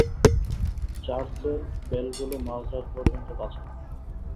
চার্চের বেলগুলো মাঝরাত পর্যন্ত বাঁচাও।